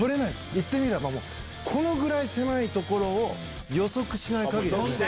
言ってみれば、このぐらい狭い所を、予測しないかぎり。